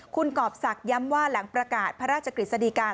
คุณกรอบศักดิ์ย้ำว่าหลังประกาศพระราชกฤษฎีการ